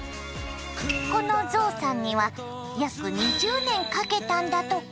このゾウさんには約２０年かけたんだとか！